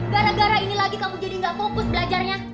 gara gara ini lagi kamu jadi gak fokus belajarnya